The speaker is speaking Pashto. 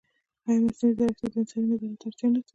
ایا مصنوعي ځیرکتیا د انساني نظارت اړتیا نه زیاتوي؟